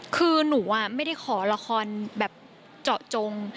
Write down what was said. คือหนูไม่ได้ขอละครแบบเจาะจง